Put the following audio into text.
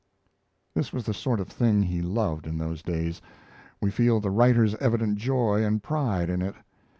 This was the sort of thing he loved in those days. We feel the writer's evident joy and pride in it.